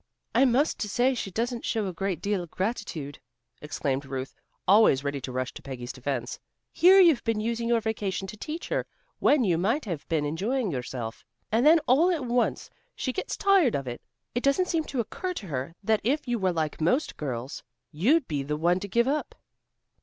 "I must say she doesn't show a great deal of gratitude," exclaimed Ruth, always ready to rush to Peggy's defence. "Here you've been using your vacation to teach her, when you might have been enjoying yourself, and then all at once she gets tired of it. It doesn't seem to occur to her that if you were like most girls, you'd be the one to give up."